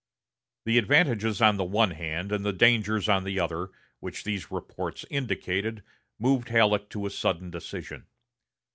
The advantages on the one hand, and the dangers on the other, which these reports indicated, moved Halleck to a sudden decision.